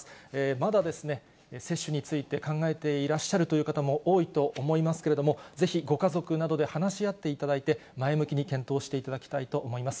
まだ接種について考えていらっしゃるという方も多いと思いますけれども、ぜひご家族などで話し合っていただいて、前向きに検討していただきたいと思います。